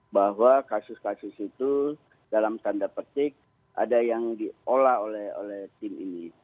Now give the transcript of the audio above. bahwa kasus kasus itu dalam tanda petik ada yang diolah oleh tim ini